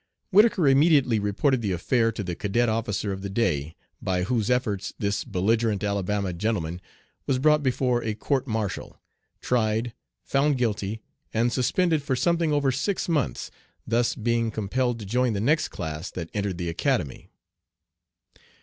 Whittaker immediately reported the affair to the cadet officer of the day, by whose efforts this belligerent Alabama gentleman was brought before a court martial, tried, found guilty, and suspended for something over six months, thus being compelled to join the next class that entered the Academy.